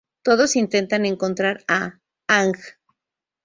Todos intentan encontrar a Aang.